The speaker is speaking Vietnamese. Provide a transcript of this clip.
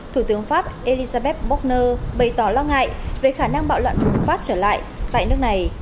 thủ tướng pháp elisabeth bochner bày tỏ lo ngại về khả năng bạo loạn của pháp trở lại tại nước này